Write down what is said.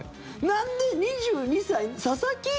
なんで２２歳佐々木？